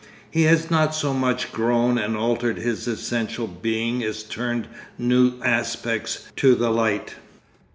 He has not so much grown and altered his essential being as turned new aspects to the light.